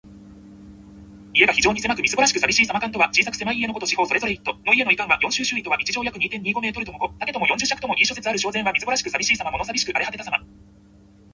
家が非常に狭く、みすぼらしくさびしいさま。「環堵」は小さく狭い家のこと。四方それぞれ一堵の家の意。「環」は四周・周囲。「堵」は一丈（約二・二五メートル）とも五丈とも四十尺ともいい諸説ある。「蕭然」はみすぼらしくさびしいさま。物さびしく荒れ果てたさま。